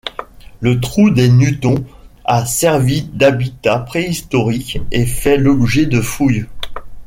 Le Trou des Nutons a servi d'habitat préhistorique et fait l’objet de fouilles.